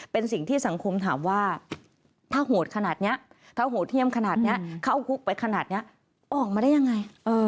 เป็นสิ่งที่สังคมถามว่าถ้าโหดขนาดนี้ถ้าโหดเที่ยมขนาดนี้เข้าคุกไปขนาดนี้ออกมาได้ยังไง